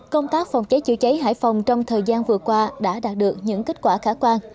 công tác phòng cháy chữa cháy hải phòng trong thời gian vừa qua đã đạt được những kết quả khả quan